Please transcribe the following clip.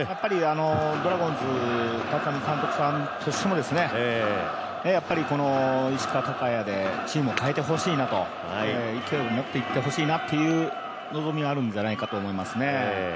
ドラゴンズ、監督さんとしてもやっぱり石川昂弥でチームを変えてほしいなと勢いを持っていってほしいなという望みはあるんじゃないかと思いますね。